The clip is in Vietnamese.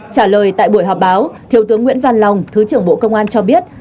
trả lời tại buổi họp báo thiếu tướng nguyễn văn long thứ trưởng bộ công an cho biết